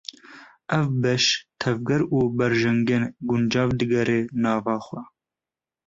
Ev beş, tevger û berjengên guncav digire nava xwe.